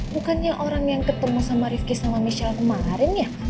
bukannya orang yang ketemu sama rifki sama michelle kemarin ya